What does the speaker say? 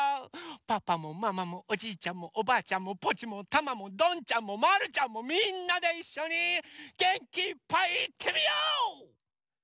パパもママもおじいちゃんもおばあちゃんもポチもタマもどんちゃんもまるちゃんもみんなでいっしょにげんきいっぱいいってみよう！